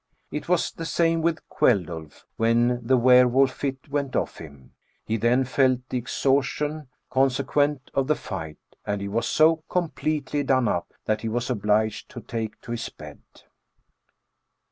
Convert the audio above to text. It was the same with Kveldulf when the were wolf fit went off him — he then felt the exhaustion* consequent on the fight, and he was so completely *done up,' that he was obliged to take to his bed."